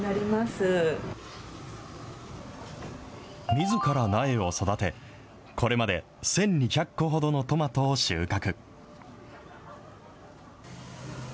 みずから苗を育て、これまで１２００個ほどのトマトを収穫。